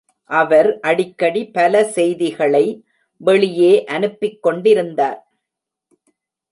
அவர் அடிக்கடி பல செய்திகளை வெளியே அனுப்பிக் கொண்டிருந்தார்.